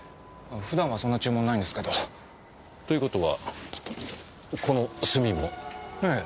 普段はそんな注文ないんですけど。という事はこの炭も？ええ。